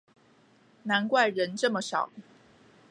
难怪人这么少